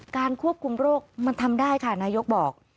ควบคุมโรคมันทำได้ค่ะนายกบอก